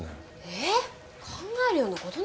えっ考えるような事なの？